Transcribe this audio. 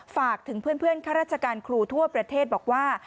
ฝากถึงเพื่อนข้าราชการครูทั่วประเทศบอกว่า